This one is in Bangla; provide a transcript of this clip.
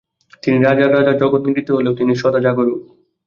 তিনি রাজার রাজা, জগৎ নিদ্রিত হলেও তিনি সদা জাগরূক।